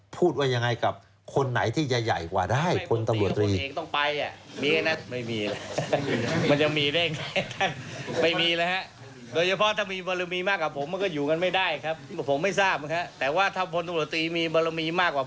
พูดว่ายังไงกับคนไหนที่ใหญ่กว่าได้พลตรวจตรวจตรวจตรวจตรวจ